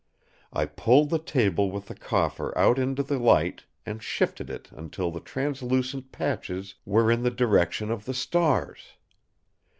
I pulled the table with the coffer out into the light, and shifted it until the translucent patches were in the direction of the stars.